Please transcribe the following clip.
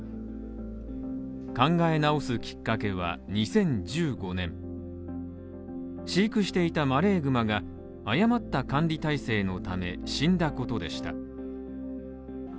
考え直すきっかけは、２０１５年飼育していたマレーグマが誤った管理体制のため死んだことでした。